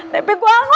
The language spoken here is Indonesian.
tempe gua hangus